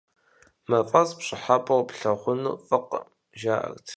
МафӀэс пщӀыхьэпӀэу плъагъуну фӀыкъым, жаӀэрт.